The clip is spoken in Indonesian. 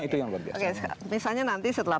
itu yang luar biasa oke misalnya nanti setelah